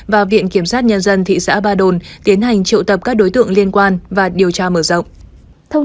và viện kiểm sát nhân dân thị xã ba đồn tiến hành triệu tập các đối tượng liên quan và điều tra mở rộng